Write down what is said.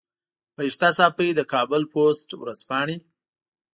بهشته صافۍ له کابل پوسټ ورځپاڼې.